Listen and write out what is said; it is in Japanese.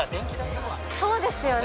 そうですよね。